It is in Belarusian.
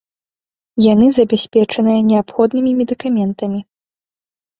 Яны забяспечаныя неабходнымі медыкаментамі.